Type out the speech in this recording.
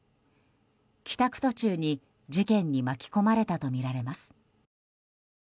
帰宅途中に事件に巻き込まれたとみられます。